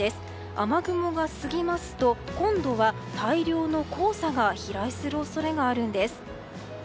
雨雲が過ぎますと今度は大量の黄砂が飛来する恐れがあるんです。